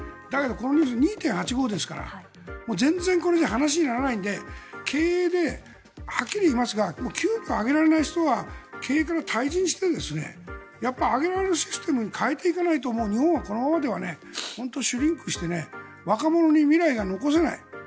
それが２．８５ですから全然これじゃ話にならないで経営で給料を上げられない人は経営から退陣してあげられるシステムに変えていかないと日本はこのままでは本当にシュリンクして若者に未来が残せない。